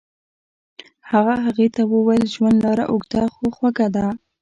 هغه هغې ته وویل ژوند لاره اوږده خو خوږه ده.